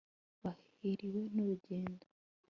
bahiriwe n'urugendo